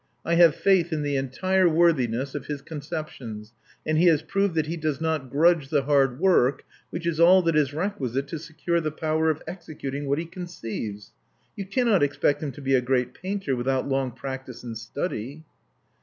I have faith in the entire worthiness of his conceptions; and he has proved that he does not grudge the hard work which is all that is requisite to secure the power of executing what he conceives. You cannot expect him to be a great painter without long practice and study."